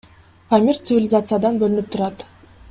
Памир цивилизациядан бөлүнүп турат.